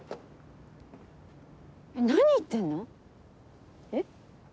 何言ってんの？え？